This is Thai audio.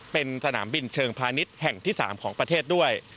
เป็นสนามบินเชิงพาณิชย์แห่งที่๓ของประเทศด้วย